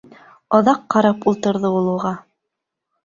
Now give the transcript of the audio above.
Оҙаҡ ҡарап ултырҙы ул уға.